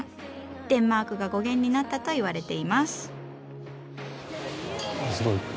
デンマークが語源になったと言われています。